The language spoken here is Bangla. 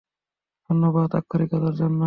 ধন্যবাদ, আক্ষরিকতার জন্য।